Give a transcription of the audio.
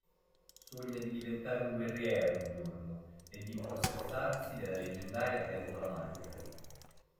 Sogna di diventare un guerriero, un giorno, e di impossessarsi della leggendaria pentola magica.